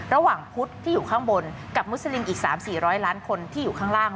ระหว่างพุทธที่อยู่ข้างบนกับมุสลิมอีก๓๔๐๐ล้านคนที่อยู่ข้างล่าง